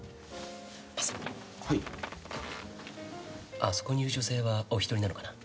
あそこにいる女性はお一人なのかな？